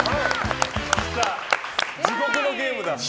地獄のゲームだ。